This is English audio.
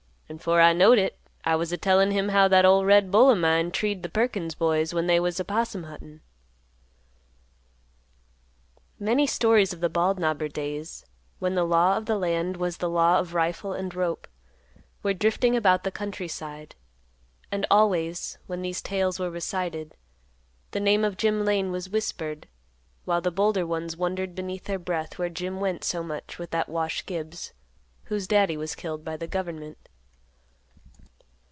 An' 'fore I knowed it, I was a tellin' him how that ol' red bull o' mine treed th' Perkins' boys when they was a possum huntin'." Many stories of the Bald Knobber days, when the law of the land was the law of rifle and rope, were drifting about the country side, and always, when these tales were recited, the name of Jim Lane was whispered; while the bolder ones wondered beneath their breath where Jim went so much with that Wash Gibbs, whose daddy was killed by the Government.